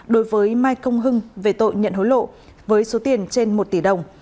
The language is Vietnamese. đối với mai công hưng về tội nhận hối lộ với số tiền trên một tỷ đồng